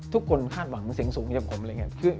ทุกคนคาดหวังถึงเสียงสูงเฉยกับผมอะไรเงี้ย